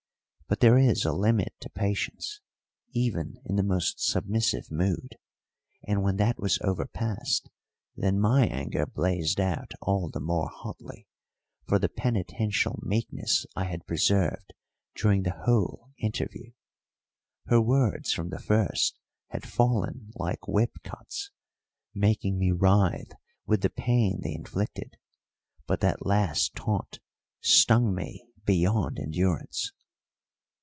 But there is a limit to patience, even in the most submissive mood; and when that was overpassed, then my anger blazed out all the more hotly for the penitential meekness I had preserved during the whole interview. Her words from the first had fallen like whip cuts, making me writhe with the pain they inflicted; but that last taunt stung me beyond endurance.